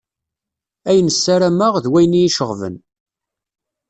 Ayen ssaramaɣ, d wayen i yi-iceɣben.